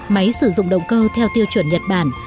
máy sử dụng động cơ theo tiêu chuẩn nhật bản